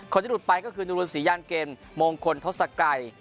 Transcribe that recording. คนที่หลุดไปก็คือนุรุนศรียานเกมมงคลทศกัย